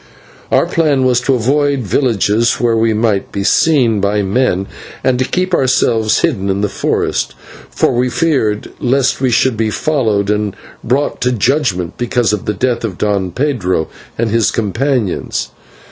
Our plan was to avoid villages where we might be seen by men, and to keep ourselves hidden in the forest, for we feared lest we should be followed and brought to judgment because of the death of Don Pedro and his companions.